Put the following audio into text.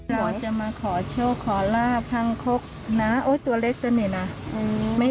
เราจะมาขอโชคขอลาบทางคกนะโอ้ยตัวเล็กตัวนี้นะ